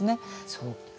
そっか。